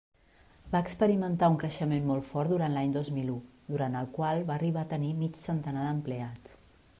Va experimentar un creixement molt fort durant l'any dos mil u, durant el qual va arribar a tenir mig centenar d'empleats.